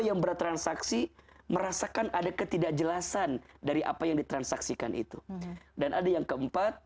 yang bertransaksi merasakan ada ketidakjelasan dari apa yang ditransaksikan itu dan ada yang keempat